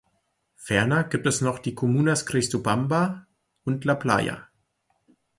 Ferner gibt es noch die Comunas Cristopamba und La Playa.